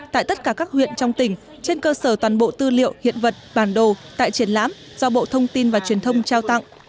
tại tất cả các huyện trong tỉnh trên cơ sở toàn bộ tư liệu hiện vật bản đồ tại triển lãm do bộ thông tin và truyền thông trao tặng